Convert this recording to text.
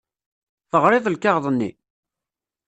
Teɣriḍ lkaɣeḍ-nni?